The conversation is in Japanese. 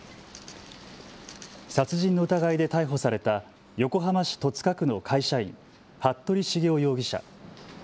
殺人の疑いで逮捕された横浜市戸塚区の会社員、服部繁雄容疑者。